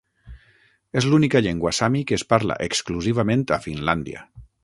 És l'única llengua sami que es parla exclusivament a Finlàndia.